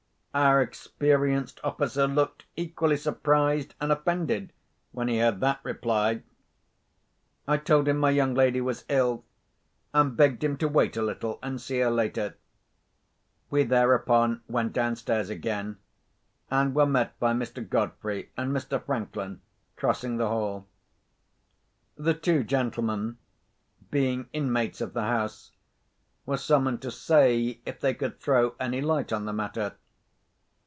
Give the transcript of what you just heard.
Our experienced officer looked equally surprised and offended when he heard that reply. I told him my young lady was ill, and begged him to wait a little and see her later. We thereupon went downstairs again, and were met by Mr. Godfrey and Mr. Franklin crossing the hall. The two gentlemen, being inmates of the house, were summoned to say if they could throw any light on the matter.